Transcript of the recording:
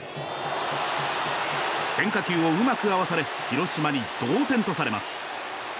変化球をうまく合わされ広島に同点とされます。